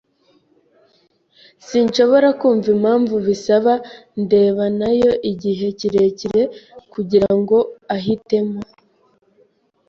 Sinshobora kumva impamvu bisaba ndeba nayo igihe kirekire kugirango ahitemo.